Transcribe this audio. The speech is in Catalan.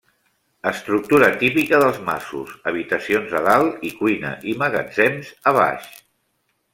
Estructura típica dels masos: habitacions a dalt i cuina i magatzems a baix.